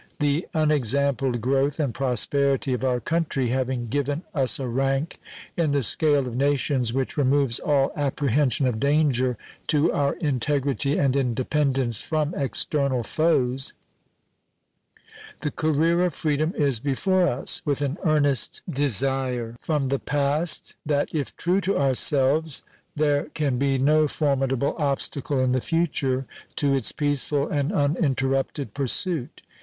The unexampled growth and prosperity of our country having given us a rank in the scale of nations which removes all apprehension of danger to our integrity and independence from external foes, the career of freedom is before us, with an earnest from the past that if true to ourselves there can be no formidable obstacle in the future to its peaceful and uninterrupted pursuit.